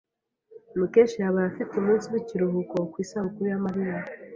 Mukesha yabaye afite umunsi w'ikiruhuko ku isabukuru ya Mariya.